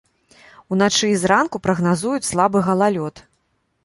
Уначы і зранку прагназуюць слабы галалёд.